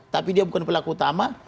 tapi dia bukan pelaku utama